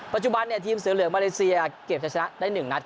ปัจจุบันทีมเสือเหลืองมาเลเซียเก็บจะชนะได้๑นัด